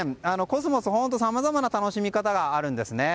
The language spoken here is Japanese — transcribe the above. コスモスは本当にさまざまな楽しみ方があるんです。